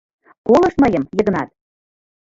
— Колышт мыйым, Йыгнат!